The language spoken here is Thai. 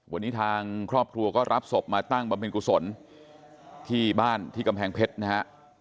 วันนี้ทางครอบครัวก็รับศพมาตั้งบำเพ็ญกุศลที่บ้านที่กำแพงเพชรนะฮะ